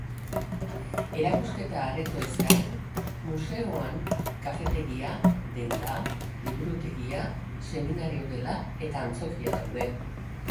Erakusketa-aretoez gain, museoan kafetegia, denda, liburutegia, seminario-gela eta antzokia daude.